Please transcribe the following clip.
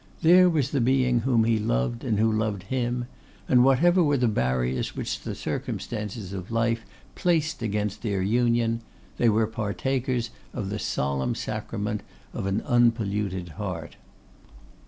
There was the being whom he loved and who loved him; and whatever were the barriers which the circumstances of life placed against their union, they were partakers of the solemn sacrament of an unpolluted heart.